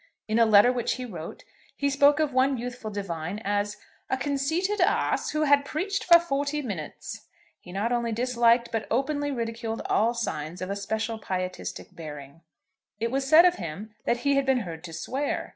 In a letter which he wrote he spoke of one youthful divine as "a conceited ass who had preached for forty minutes." He not only disliked, but openly ridiculed all signs of a special pietistic bearing. It was said of him that he had been heard to swear.